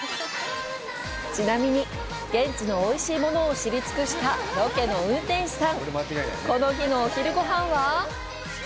ちなみに、現地のおいしいものを知り尽くしたロケの運転手さん、この日のお昼ごはんは？